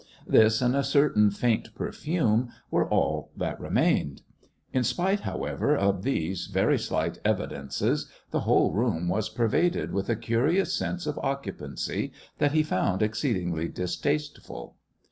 This, and a certain faint perfume, were all that remained. In spite, however, of these very slight evidences, the whole room was pervaded with a curious sense of occupancy that he found exceedingly distasteful.